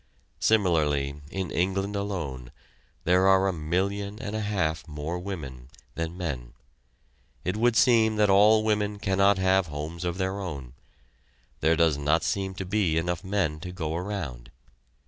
Similarly, in England alone, there are a million and a half more women than men. It would seem that all women cannot have homes of their own there does not seem to be enough men to go around.